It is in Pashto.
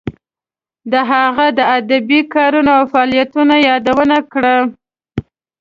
د هغه د ادبی کارونو او فعالیتونو یادونه کړه.